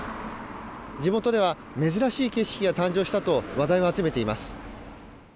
地元では珍しい景色が誕生したと話題を集めています。